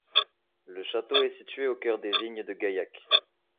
Le château est situé au cœur des vignes de Gaillac.